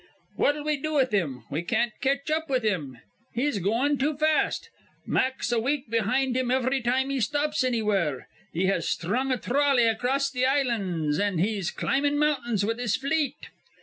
"What'll we do with him? We can't catch up with him. He's goin' too fast. Mack's a week behind him ivry time he stops annywhere. He has sthrung a throlley acrost th' islands, an' he's climbin' mountains with his fleet.